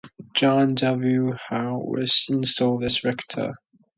John W. Howe was installed as rector.